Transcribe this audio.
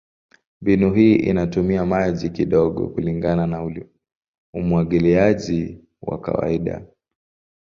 Mbinu hii inatumia maji kidogo kulingana na umwagiliaji wa kawaida.